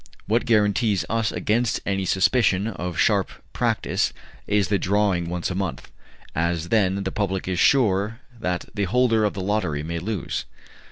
What guarantees us against any suspicion of sharp practice is the drawing once a month, as then the public is sure that the holder of the lottery may lose."